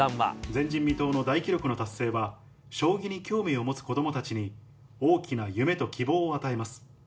前人未到の大記録の達成は、将棋に興味を持つ子どもたちに大きな夢と希望を与えます。